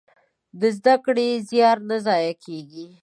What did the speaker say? د زده کړې زيار نه ضايع کېږي.